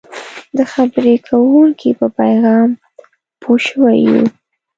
د خبرې کوونکي په پیغام پوه شوي یو.